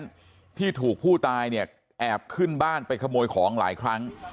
ที่ถูกผู้ตายเนี่ยแอบขึ้นบ้านไปขโมยของหลายครั้ง